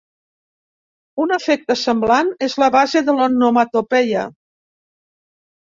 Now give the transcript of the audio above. Un efecte semblant és la base de l'onomatopeia.